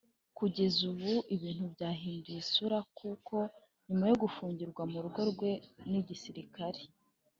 Kugeza ubu ibintu byahinduye isura kuko nyuma yo gufungirwa mu rugo rwe n’igisirikare